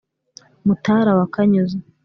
mutara wa kanyuza